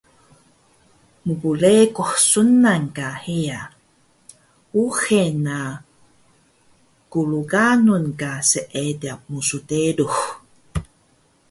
mplekuh sunan ka heya, uxe na glganun ka seediq msderux